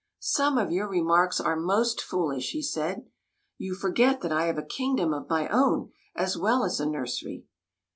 " Some of your remarks are most foolish," he said. "You forget that I have a kingdom of my own as well as a nursery.